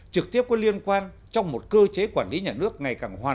trực tiếp có liên quan trong một cơ chế quản lý nhà nước ngày càng hoàn thiện